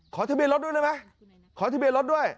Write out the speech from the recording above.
ทะเบียนรถด้วยได้ไหมขอทะเบียนรถด้วย